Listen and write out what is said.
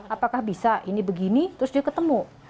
apakah bisa ini begini terus dia ketemu